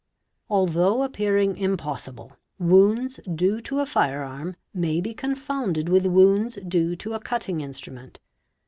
Although appearing impossible, wounds due to a fire arm may be j confounded with wounds due to a cutting instrument.